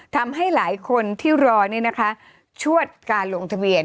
ทำให้หลายคนที่รอชวดการลงทะเบียน